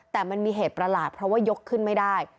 แต่มันมีเหตุประหลาดเพราะว่ายกขึ้นไม่ได้